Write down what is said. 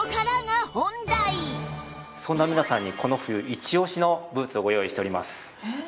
そんな皆さんにこの冬イチオシのブーツをご用意しております。